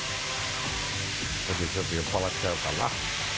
ここでちょっと酔っぱらっちゃうかな。